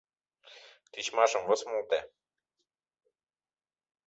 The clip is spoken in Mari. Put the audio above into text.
Тичмашым высмылте.